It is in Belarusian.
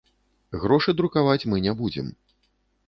Грошы друкаваць мы не будзем.